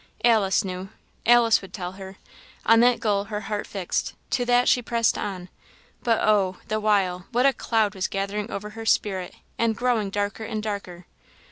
Alice knew: Alice would tell her; on that goal her heart fixed, to that she pressed on; but oh! the while, what a cloud was gathering over her spirit, and growing darker and darker!